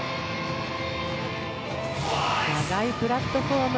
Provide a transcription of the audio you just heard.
長いプラットフォーム。